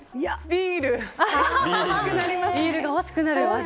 ビールが欲しくなる味。